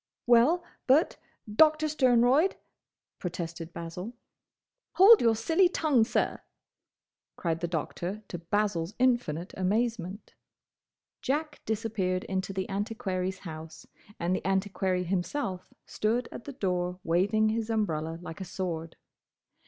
"Well, but, Doctor Sternroyd—" protested Basil. "Hold your silly tongue, sir!" cried the Doctor to Basil's infinite amazement. Jack disappeared into the Antiquary's house and the Antiquary himself stood at the door waving his umbrella like a sword.